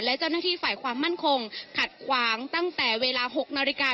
และเจ้าหน้าที่ฝ่ายความมั่นคงขัดขวางตั้งแต่เวลา๖นาฬิกา